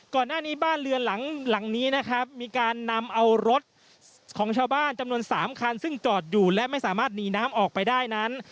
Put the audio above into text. ก่อนหน้านี้บ้านเรือนหลังนี้นะครับมีการนำเอารถของชาวบ้านจำนวน๓คันซึ่งจอดอยู่และไม่สามารถหนีน้ำออกไปได้นั้น